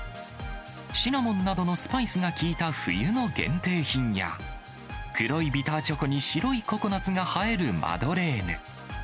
シナモンなどのスパイスが効いた冬の限定品や、黒いビターチョコに白いココナツが映えるマドレーヌ。